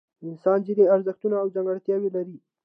انسان ځینې ارزښتونه او ځانګړتیاوې لري.